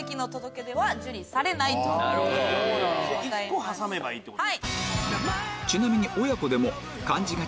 １個挟めばいいってこと。